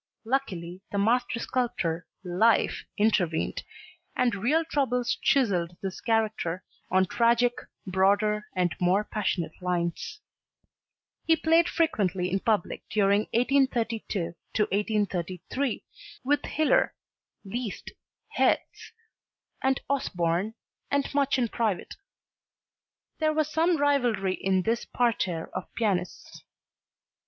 Luckily the master sculptor Life intervened and real troubles chiselled his character on tragic, broader and more passionate lines. He played frequently in public during 1832 1833 with Hiller, Liszt, Herz and Osborne, and much in private. There was some rivalry in this parterre of pianists.